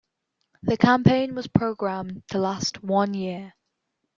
The campaign was programmed to last one year.